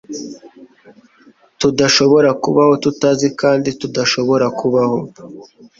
tudashobora kubaho tutazi kandi ko tudashobora kubaho.